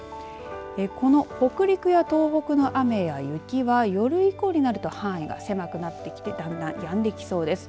この北陸や東北の雨や雪は夜以降になると範囲が狭くなってきてだんだんやんできそうです。